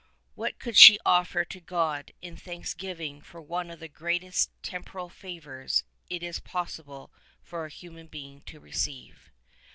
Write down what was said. What could she offer to God in thanksgiving for one of the greatest tem poral favors it is possible for a human being to receive?